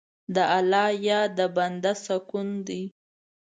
د الله یاد د بنده سکون دی.